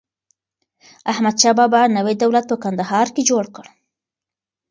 احمدشاه بابا نوی دولت په کندهار کي جوړ کړ.